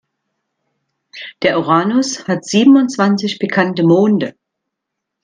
Der Uranus hat siebenundzwanzig bekannte Monde.